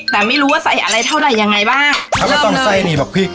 แต่ไม่รู้ว่าใส่อะไรเท่าไหร่ยังไงบ้างเริ่มเลยแล้วก็ต้องใส่นี่แบบพริก